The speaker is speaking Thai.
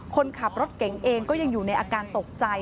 คนขับรถเก่งเองก็ยังอยู่ในอาการตกใจ